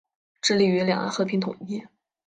致力于两岸和平统一。